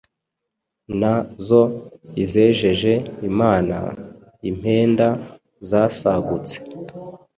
Na zo izejeje Imana, Impenda zasagutse